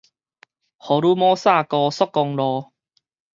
福爾摩沙高速公路